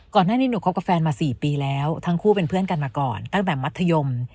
ก่อนหน้านี้หนูคบกับแฟนมา๔ปีแล้วทั้งคู่เป็นเพื่อนกันมาก่อนตั้งแต่มัธยม